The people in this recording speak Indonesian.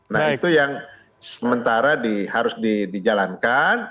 nah itu yang sementara harus dijalankan